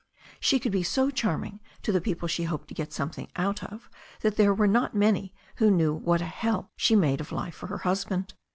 She could be so charming to the people she hoped to get something out of that there were not many who knew what a hell she made of life for her husband.